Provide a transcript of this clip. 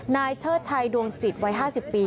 เชิดชัยดวงจิตวัย๕๐ปี